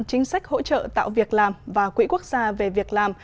chính sách hỗ trợ tạo việc làm và quỹ quốc gia về việc làm